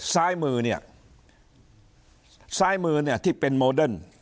ซ้ายมือเนี่ยซ้ายมือเนี่ยที่เป็นโมเดิร์น